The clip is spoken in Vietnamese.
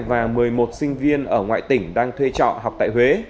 và một mươi một sinh viên ở ngoại tỉnh đang thuê trọ học tại huế